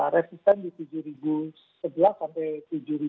resisten di tujuh sebelas sampai tujuh dua puluh gitu